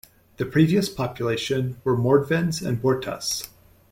The previous population were Mordvins and Burtas.